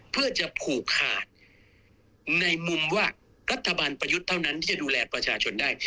เพื่อจะผูกขาดในมุมว่ารัฐบาลประยุทธ์เท่านั้นที่จะดูแลประชาชนได้